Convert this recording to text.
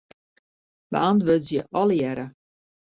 Beäntwurdzje allegearre.